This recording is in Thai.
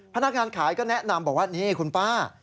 พนักงานขายก็แนะนำบอกว่านี่คุณป้า